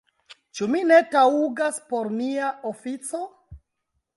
Ĉu mi ne taŭgas por mia ofico?